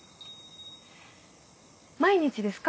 毎日ですか？